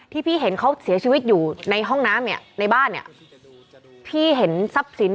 ที่พี่เห็นเขาเสียชีวิตอยู่ในห้องน้ำเนี่ยในบ้านเนี่ยพี่เห็นทรัพย์สิน